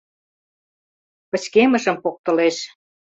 Пычкемышым поктылеш.